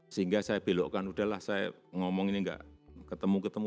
sehingga saya belokkan udahlah saya ngomong ini enggak ketemu ketemu